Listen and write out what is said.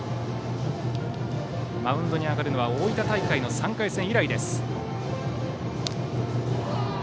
マウンドに上がるのは大分大会の３回戦以来です。